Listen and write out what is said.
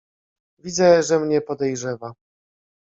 "Widzę, że mnie podejrzewa."